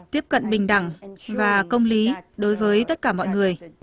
tiếp cận bình đẳng và công lý đối với tất cả mọi người